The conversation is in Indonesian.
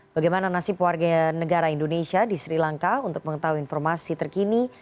bagaimana nasib warga negara indonesia di sri lanka untuk mengetahui informasi terkini